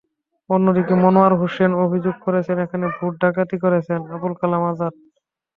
অন্যদিকে মনোয়ার হোসেন অভিযোগ করেছেন, এখানে ভোট ডাকাতি করেছেন আবুল কালাম আজাদ।